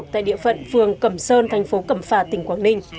tại địa phận phường cẩm sơn thành phố cẩm phà tỉnh quảng ninh